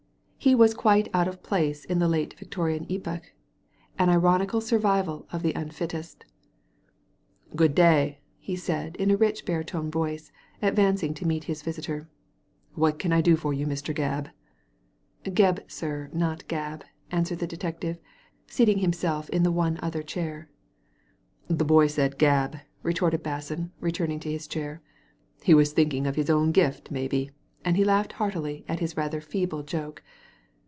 He was quite out of place in the late Victorian epoch — an ironical survival of the unfittest "Good day!" he said, in a rich baritone voice, advancing to meet his visitor. What can I do for you, Mr. Gabb ?*' Gebb, sir; not Gabb," answered the detective, seating himself in the one other chair. " The boy said Gabb," retorted Basson, returning to his chair. "He was thinkmg of his own gift, maybe ;" and he laughed heartily at his rather feeble joke.